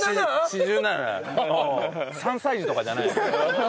３歳児とかじゃないのよ。